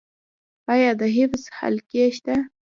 آیا د حفظ حلقې شته؟